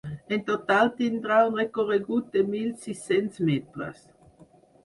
En total, tindrà un recorregut de mil sis-cents metres.